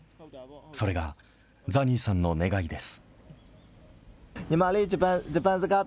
それがザニーさんの願いです。